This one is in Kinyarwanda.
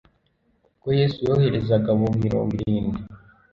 Ubwo Yesu yoherezaga abo mirongo irindwi,